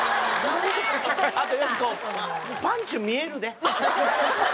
あとよしこパンツ見えるで。